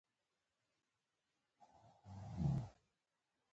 احمدشاه بابا به خپلو دښمنانو ته خبرداری ورکاوه.